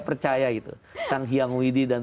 percaya itu sang hyang widi dan